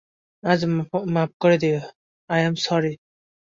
আজ মাফ করে দিও, আই এম সরি।